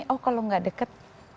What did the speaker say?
oh kalau gak deket